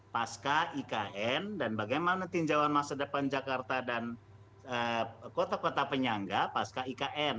pasca ikn dan bagaimana tinjauan masa depan jakarta dan kota kota penyangga pasca ikn